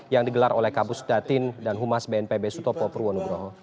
yang digelar oleh kabupaten sudatin dan humas bnpb sutopo purwono broho